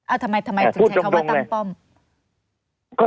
อ่าทำไมทำไมถูกใช้เขาว่าตั้งป้อม